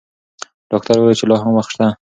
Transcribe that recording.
ډاکټر وویل چې لا هم وخت شته.